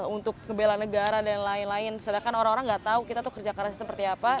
untuk kebela negara dan lain lain sedangkan orang orang nggak tahu kita tuh kerja keras seperti apa